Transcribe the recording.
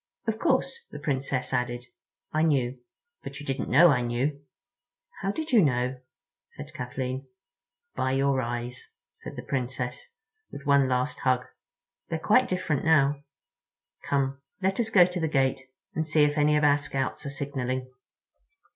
"Of course," the Princess added, "I knew—but you didn't know I knew." "How did you know?" said Kathleen. "By your eyes," said the Princess, with one last hug; "they're quite different now. Come, let us go to the gate and see if any of our Scouts are signaling."